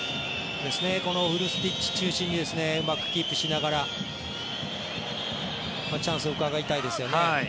このフルスティッチ中心にうまくキープしながらチャンスをうかがいたいですよね。